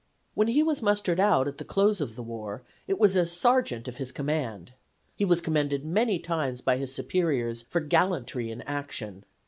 When he was mustered out at the close of the war it was as sergeant of his command. He was commended many times by his superiors for gallantry in action.